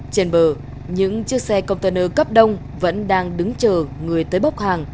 trên bờ những chiếc xe container cấp đông vẫn đang đứng chờ người tới bốc hàng